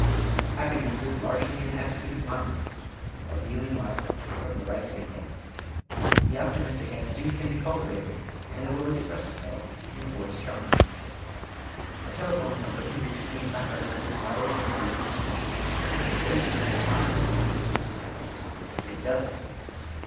Happiness is largely an attitude of mind, of viewing life from the right angle. The optimistic attitude can be cultivated, and it will express itself in voice charm. A telephone company recently placarded this motto in their booths: "The Voice with the Smile Wins." It does.